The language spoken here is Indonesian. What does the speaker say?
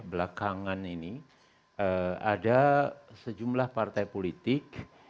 belakangan ini ada sejumlah partai politik